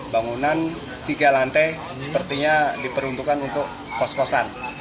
bangunan tiga lantai sepertinya diperuntukkan untuk kos kosan